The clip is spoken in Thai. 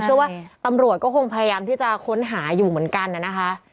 เชื่อว่าตำรวจก็คงพยายามที่จะค้นหาอยู่เหมือนกันนะคะ